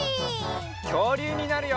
きょうりゅうになるよ！